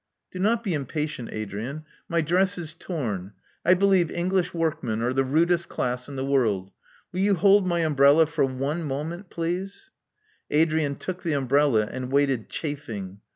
Do not be impatient, Adrian. My dress is torn. I believe English workmen are the rudest clas& in the world. Will you hold my umbrella for one moment, pleaser' Adrian took the umbrella, and waited chafing.